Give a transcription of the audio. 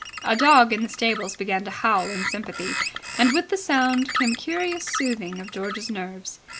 A dog in the stables began to howl in sympathy, and with the sound came a curious soothing of George's nerves.